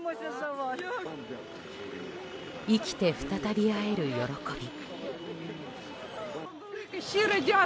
生きて再び会える喜び。